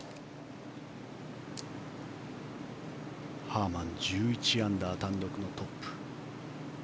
ハーマン１１アンダー単独のトップ。